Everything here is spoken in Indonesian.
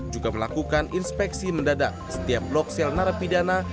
juga melakukan inspeksi mendadak setiap blok sel narapidana